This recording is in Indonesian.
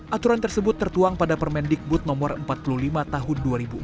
aturan tersebut tertuang pada permendikbud no empat puluh lima tahun dua ribu enam belas